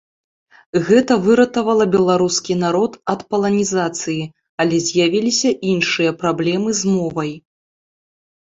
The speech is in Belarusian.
Гэта выратавала беларускі народ ад паланізацыі, але з'явіліся іншыя праблемы з мовай.